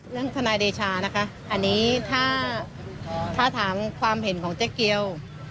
ทนายเดชานะคะอันนี้ถ้าถามความเห็นของเจ๊เกียว